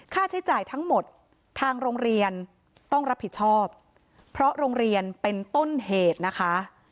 ค่าใช้จ่ายทั้งหมดทางโรงเรียนต้องรับผิดชอบเพราะโรงเรียนเป็นต้นเหตุนะคะ